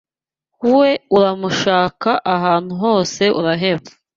we uramushaka ahantu hose uraheba